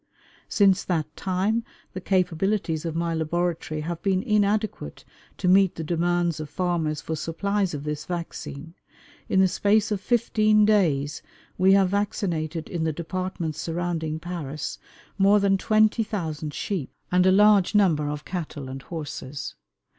"Since that time the capabilities of my laboratory have been inadequate to meet the demands of farmers for supplies of this vaccine. In the space of fifteen days we have vaccinated in the departments surrounding Paris, more than 20,000 sheep, and a large number of cattle and horses.